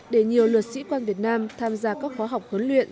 để nhiều lượt sĩ quan việt nam tham gia các khóa học huấn luyện